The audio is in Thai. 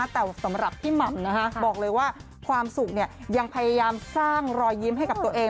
แต่สำหรับพี่หม่ำบอกเลยว่าความสุขยังพยายามสร้างรอยยิ้มให้กับตัวเอง